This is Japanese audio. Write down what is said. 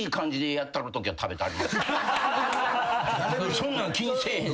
そんなん気にせえへん。